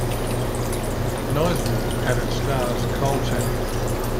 Nyesville had it start as a coal town.